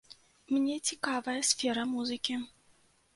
Мне цікавая сфера музыкі.